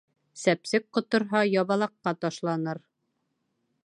Сәпсек ҡоторһа ябалаҡҡа ташланыр.